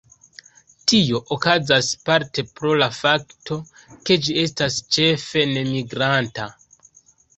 Tio okazas parte pro la fakto ke ĝi estas ĉefe nemigranta.